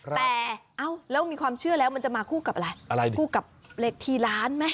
แต่เอ้าแล้วมีความเชื่อแล้วมันจะมาคู่กับอะไรคู่กับเหล็กทีล้านไหม